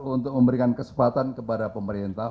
untuk memberikan kesempatan kepada pemerintah